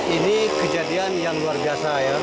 ini kejadian yang luar biasa ya